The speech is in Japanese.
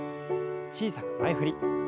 小さく前振り。